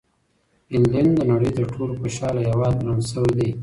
فنلنډ د نړۍ تر ټولو خوشحاله هېواد ګڼل شوی دی.